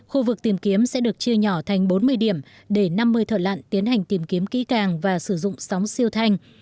khu vực tìm kiếm sẽ được chia nhỏ thành bốn mươi điểm để năm mươi thợ lặn tiến hành tìm kiếm kỹ càng và sử dụng sóng siêu thanh